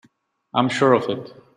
I am sure of it.